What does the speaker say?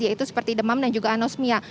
yaitu seperti demam dan juga anosmia